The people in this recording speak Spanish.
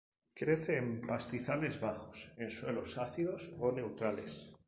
Crece en pastizales bajos, en suelos ácidos o neutrales.